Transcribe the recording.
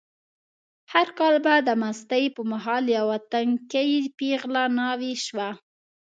هر کال به د مستۍ په مهال یوه تنکۍ پېغله ناوې شوه.